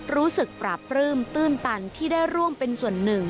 รู้สึกปราบปลื้มตื้นตันที่ได้ร่วมเป็นส่วนหนึ่ง